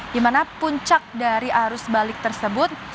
dimana puncak dari arus balik tersebut